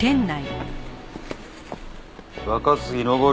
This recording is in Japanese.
若杉登。